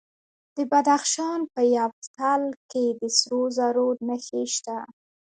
د بدخشان په یفتل کې د سرو زرو نښې شته.